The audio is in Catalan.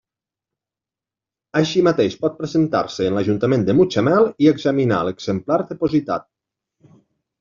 Així mateix pot presentar-se en l'Ajuntament de Mutxamel i examinar l'exemplar depositat.